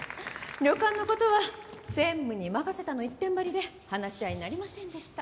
「旅館の事は専務に任せた」の一点張りで話し合いになりませんでした。